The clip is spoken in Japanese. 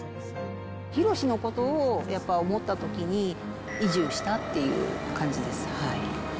ヒロシのことをやっぱ思ったときに、移住したっていう感じです。